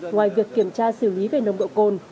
ngoài việc kiểm tra xử lý về nồng độ cồn